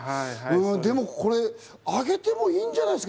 でもこれ、上げてもいいんじゃないですか？